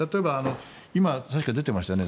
今、確か出ていましたよね